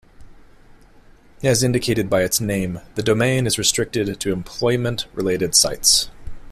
As indicated by its name, the domain is restricted to employment-related sites.